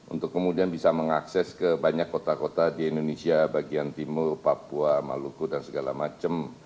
untuk kemudian bisa mengakses ke banyak kota kota di indonesia bagian timur papua maluku dan segala macam